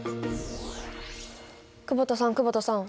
久保田さん久保田さん。